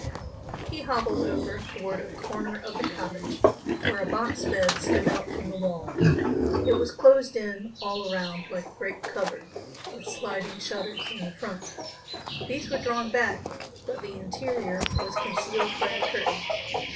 He hobbled over toward a corner of the cottage, where a box bed stood out from the wall. It was closed in all around like a great cupboard, with sliding shutters in the front. These were drawn back, but the interior was concealed by a curtain.